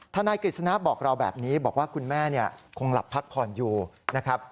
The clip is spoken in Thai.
นายกฤษณะบอกเราแบบนี้บอกว่าคุณแม่คงหลับพักผ่อนอยู่นะครับ